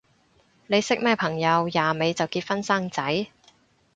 你識咩朋友廿尾就結婚生仔？